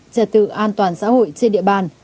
trật tự an toàn xã hội trên địa bàn